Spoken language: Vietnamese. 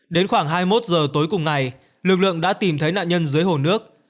đến khoảng hai mươi một giờ tối cùng ngày lực lượng đã tìm thấy nạn nhân dưới hồ nước